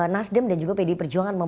nasdem dan juga pdi perjuangan